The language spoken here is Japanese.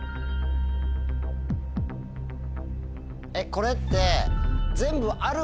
これって。